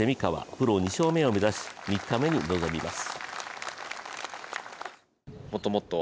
プロ２勝目を目指し、３日目に臨みます。